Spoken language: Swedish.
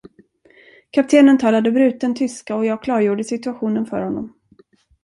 Kaptenen talade bruten tyska och jag klargjorde situationen för honom.